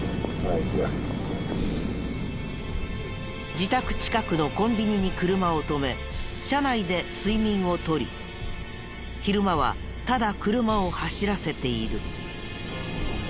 自宅近くのコンビニに車を止め車内で睡眠を取り昼間はただ車を走らせている。